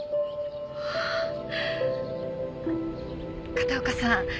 片岡さん